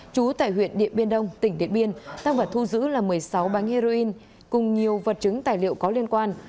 trú tại huyện điện biên đông tỉnh điện biên tăng vật thu giữ là một mươi sáu bánh heroin cùng nhiều vật chứng tài liệu có liên quan